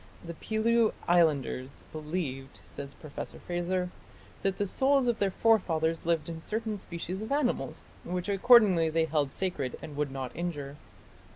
"The Pelew Islanders believed", says Professor Frazer, "that the souls of their forefathers lived in certain species of animals, which accordingly they held sacred and would not injure.